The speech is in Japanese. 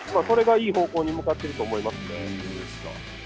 これがいい方向に向かっていると思いますね。